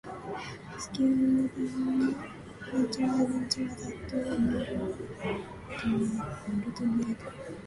Scudder pieces together that Moldonado is running a drug ring through Chance's legitimate businesses.